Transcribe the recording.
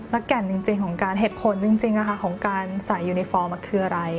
และแก่นจริงของการเหตุผลจริงของการใส่ยูนิฟอร์มมันคืออะไร